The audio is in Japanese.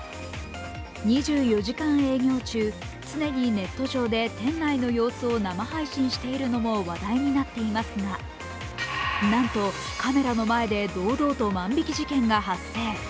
２４時間営業中、常にネット上で店内の様子を生配信しているのも話題になっていますがなんと、カメラの前で堂々と万引き事件が発生。